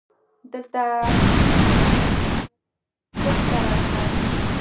دلته کښته راسه.